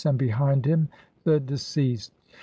and behind him the de ceased.